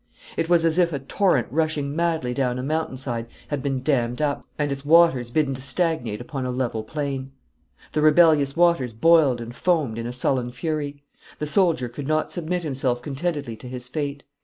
It was as if a torrent rushing madly down a mountain side had been dammed up, and its waters bidden to stagnate upon a level plain. The rebellious waters boiled and foamed in a sullen fury. The soldier could not submit himself contentedly to his fate.